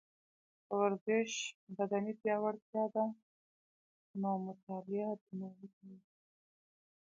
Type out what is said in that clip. که ورزش بدني پیاوړتیا ده، نو مطاله دماغي پیاوړتیا ده